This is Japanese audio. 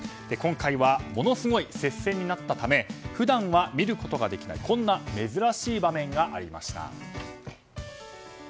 今回はものすごい接戦になったため普段は見ることができないこんな珍しい場面がありました。